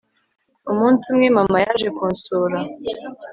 umunsi umwe, mama yaje kunsura